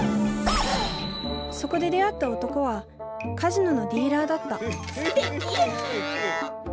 そこで出会った男はカジノのディーラーだったステキやん！